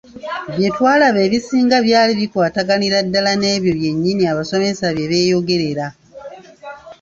Bye twalaba ebisinga byali bikwataganira ddala n’ebyo byennyini abasomesa bye beeyogerera.